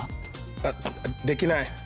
あっできない。